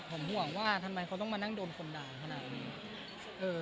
ผมห่วงว่าทำไมเขาต้องมานั่งโดนคนด่าขนาดนี้